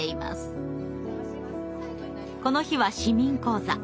この日は市民講座。